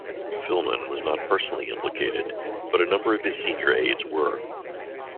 Filmon was not personally implicated, but a number of his senior aides were.